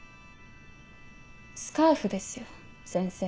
スカーフですよ先生。